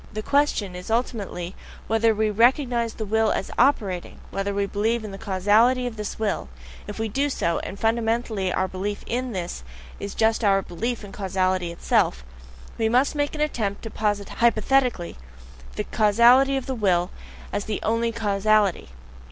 The question is ultimately whether we really recognize the will as OPERATING, whether we believe in the causality of the will; if we do so and fundamentally our belief IN THIS is just our belief in causality itself we MUST make the attempt to posit hypothetically the causality of the will as the only causality.